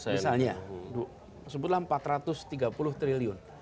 misalnya sebutlah empat ratus tiga puluh triliun